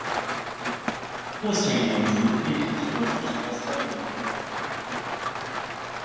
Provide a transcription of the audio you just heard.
The Indoor Stadium is located close to Shanghai Stadium.